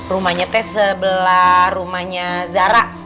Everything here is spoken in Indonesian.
rumahnya teh sebelah rumahnya zara